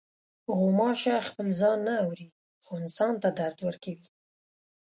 غوماشه خپل ځان نه اوري، خو انسان ته درد ورکوي.